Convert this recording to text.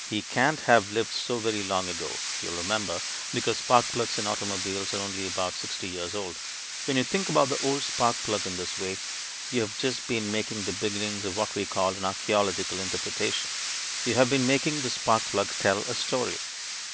He can't have lived so very long ago, you'll remember, because spark plugs and automobiles are only about sixty years old. When you think about the old spark plug in this way you have just been making the beginnings of what we call an archeological interpretation; you have been making the spark plug tell a story.